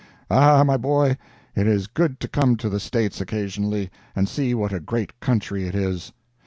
Ah, my boy, it is good to come to the States occasionally, and see what a great country it is.